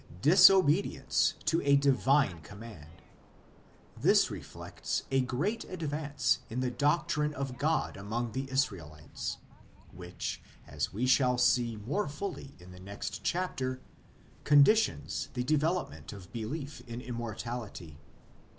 disobedience to a divine command ; this reflects a great advance in the doctrine of God among the Israelites, which, as we shall see more fully in the next chapter, conditions the develop ment of belief in Immortality.